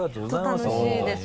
本当楽しいです